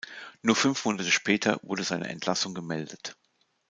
Nur fünf Monate später wurde seine Entlassung gemeldet.